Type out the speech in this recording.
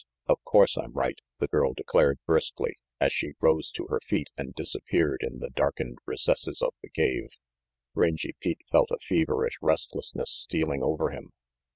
Of course I'm right," the girl declared RANGY PETE 375 briskly, as she rose to her feet and disappeared in the darkened recesses of the cave. Rangy Pete felt a feverish restlessness stealing over him.